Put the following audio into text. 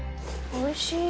おいしい。